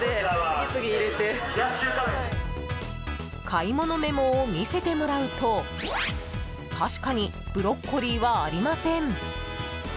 買い物メモを見せてもらうと確かにブロッコリーはありません。